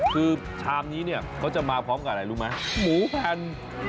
คือชามนี้เนี่ยเขาจะมาพร้อมกับอะไรรู้ไหมหมูแผ่น